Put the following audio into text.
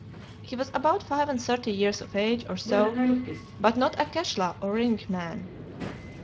He was about five and thirty years of age or so, but not a 'keshla' or ringed man.